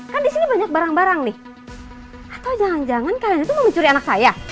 kan di sini banyak barang barang nih atau jangan jangan kalian itu mau mencuri anak saya